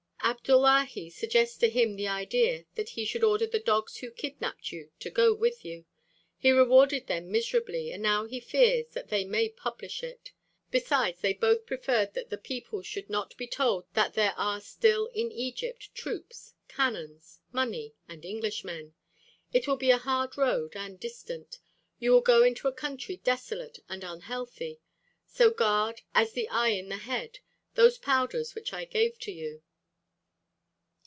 Abdullahi suggested to him the idea that he should order the dogs who kidnapped you, to go with you. He rewarded them miserably, and now he fears that they may publish it. Besides, they both preferred that the people should not be told that there are still in Egypt troops, cannons, money, and Englishmen. It will be a hard road and distant. You will go into a country desolate and unhealthy. So guard, as the eye in the head, those powders which I gave to you."